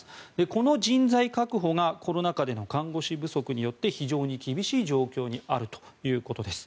この人材確保がコロナ禍での看護師不足によって非常に厳しい状況にあるということです。